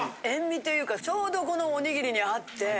塩味というかちょうどこのおにぎりにあって。